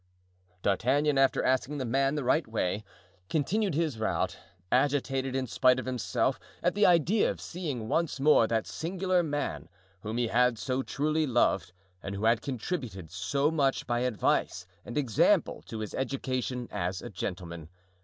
D'Artagnan, after asking the man the right way, continued his route, agitated in spite of himself at the idea of seeing once more that singular man whom he had so truly loved and who had contributed so much by advice and example to his education as a gentleman.